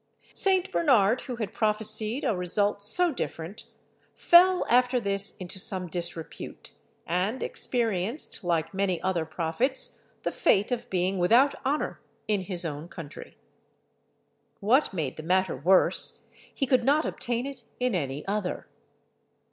St. Bernard, who had prophesied a result so different, fell after this into some disrepute, and experienced, like many other prophets, the fate of being without honour in his own country. What made the matter worse, he could not obtain it in any other.